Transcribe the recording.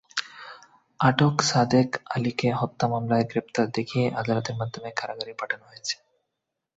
আটক সাদেক আলীকে হত্যা মামলায় গ্রেপ্তার দেখিয়ে আদালতের মাধ্যমে কারাগারে পাঠানো হয়েছে।